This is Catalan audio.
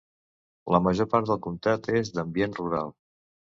La major part del comtat és d'ambient rural.